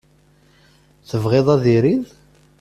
Tebɣiḍ ad irid?